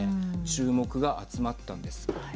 注目が集まったんです。